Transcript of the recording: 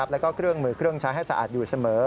แล้วก็เครื่องมือเครื่องใช้ให้สะอาดอยู่เสมอ